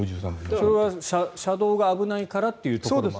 それは車道が危ないからというところも。